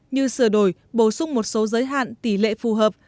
như sửa đổi bổ sung một số giới hạn tỷ lệ phù hợp